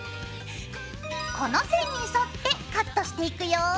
この線に沿ってカットしていくよ。